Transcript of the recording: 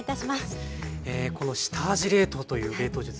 この下味冷凍という冷凍術